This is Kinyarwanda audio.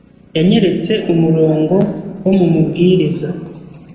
Yanyeretse umurongo wo mu Mubwiriza